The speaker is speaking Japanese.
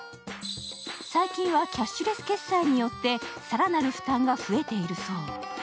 最近はキャッシュレス決済によって更なる負担が増えているそう。